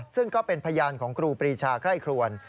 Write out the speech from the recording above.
ซึ่งก็เป็นพยานของครูปรีชาไคร่ครวน